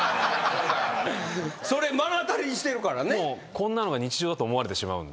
こんなのが日常だと思われてしまうんで。